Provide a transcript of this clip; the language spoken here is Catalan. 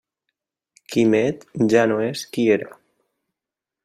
Quimet ja no és qui era.